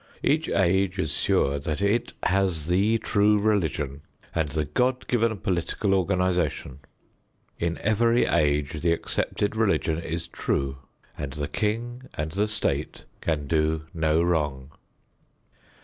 Each age is sure that it has the true religion and the God given political organization. In every age the accepted religion is true, and the king and the state can do no wrong.